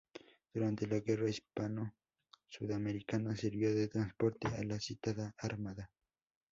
Durante la guerra hispano-sudamericana, sirvió de transporte a la citada Armada.